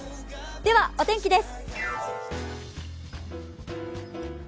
ではお天気です。